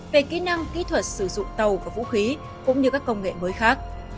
về kỹ năng kỹ thuật sử dụng tàu và vũ khí cũng như các công nghệ mới khác